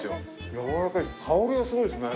やわらかい香りがすごいっすね。